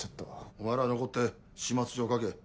お前らは残って始末書を書け。